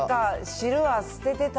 汁は捨ててた。